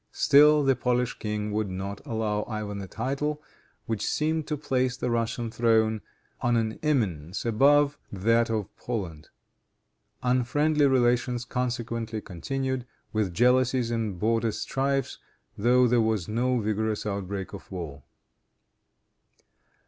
Still, the Polish king would not allow Ivan a title, which seemed to place the Russian throne on an eminence above that of Poland. Unfriendly relations consequently continued, with jealousies and border strifes, though there was no vigorous outbreak of war.